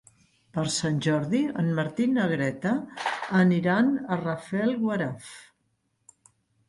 Per Sant Jordi en Martí i na Greta aniran a Rafelguaraf.